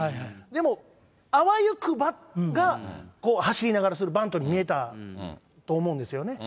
でも、あわよくばが走りながらするバントに見えたと思うんですよね。